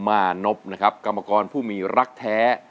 มานพนะครับกรรมกรผู้มีรักแท้